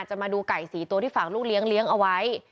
มาดูไก่๔ตัวที่ฝากลูกเลี้ยงเอาไว้